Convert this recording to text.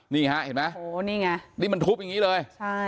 นี่เห็นไหมนี่มันทุบอย่างนี้เลย